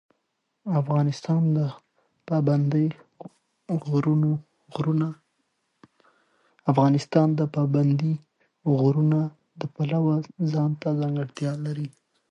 افغانستان د پابندی غرونه د پلوه ځانته ځانګړتیا لري.